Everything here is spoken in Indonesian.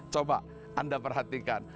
coba anda perhatikan